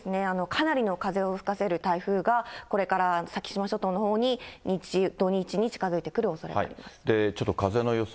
かなりの風を吹かせる台風が、これから先島諸島のほうに土日に近づいてくるおそれがあります。